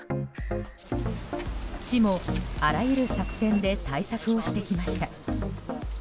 市もあらゆる作戦で対策をしてきました。